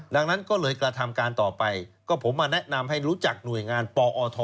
ดังนั้นก็เลยกระทำการต่อไปก็ผมมาแนะนำให้รู้จักหน่วยงานปอท